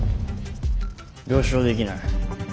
了承できない。